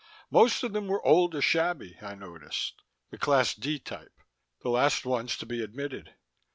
Most of them were old or shabby, I noticed. The class D type. The last ones to be admitted.